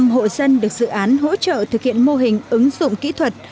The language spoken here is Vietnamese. năm hộ dân được dự án hỗ trợ thực hiện mô hình ứng dụng kỹ thuật